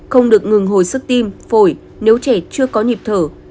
không được ngừng hồi sức tim phổi nếu trẻ chưa có nhịp thở